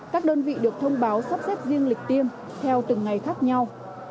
các đơn vị được thông báo sắp xếp riêng lịch tiêm theo từng ngày khác nhau